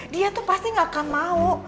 dia tuh pasti gak akan mau